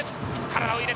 体を入れた！